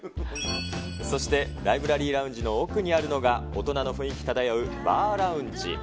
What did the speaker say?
そして、ライブラリーラウンジの奥にあるのが、大人の雰囲気ただようバーラウンジ。